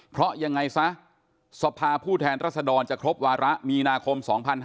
เพราะยังไงซะสภาผู้แทนรัศดรจะครบวาระมีนาคม๒๕๕๙